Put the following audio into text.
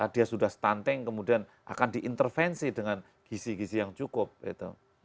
dia sudah stunting kemudian akan diintervensi dengan gisi gizi yang cukup gitu